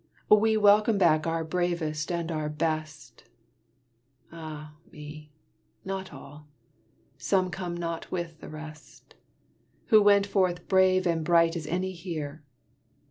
We welcome back our bravest and our best; Ah me! not all! some come not with the rest, Who went forth brave and bright as any here!